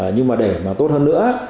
nhưng mà để tốt hơn nữa